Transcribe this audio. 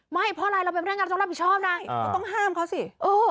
ไม่เพราะอะไรเราเป็นพนักงานเราต้องรับผิดชอบนะเราต้องห้ามเขาสิ